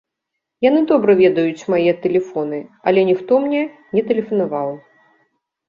Яны добра ведаюць мае тэлефоны, але ніхто мне не тэлефанаваў.